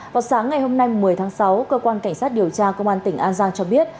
vào sáng ngày hôm nay một mươi tháng sáu cơ quan cảnh sát điều tra công an tỉnh an giang cho biết